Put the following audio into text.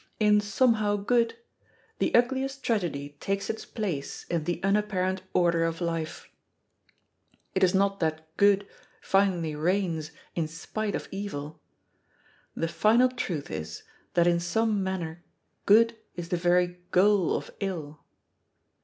In Somehow Good the ugliest tragedy takes its place in the unapparent order of life. It is not that good finally reigns in spite of evil; the final truth is that in some manner good is the very goal of ill.